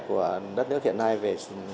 của đất nước hiện nay về